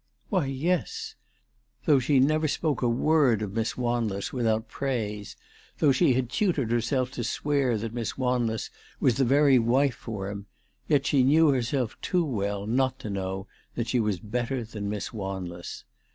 Why ; yes ! Though she never spoke a word of Miss Wanless without praise, though she had tutored herself to swear that Miss Wanless was the very wife for him, yet she knew herself too well not to know that she was better than Miss Wanless.